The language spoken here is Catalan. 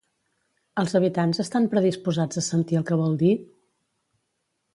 Els habitants estan predisposats a sentir el que vol dir?